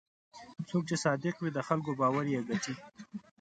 څوک چې صادق وي، د خلکو باور یې ګټي.